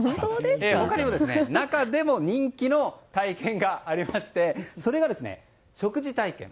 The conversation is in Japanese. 他にも中でも人気の体験がありましてそれが、食事体験。